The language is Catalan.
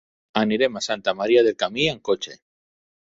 Anirem a Santa Maria del Camí amb cotxe.